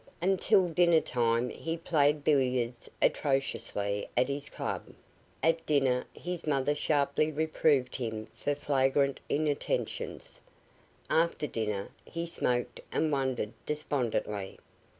Until dinner time he played billiards atrociously at his club; at dinner his mother sharply reproved him for flagrant inattentions; after dinner he smoked and wondered despondently.